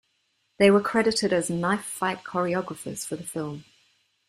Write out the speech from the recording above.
They were credited as knife fight choreographers for the film.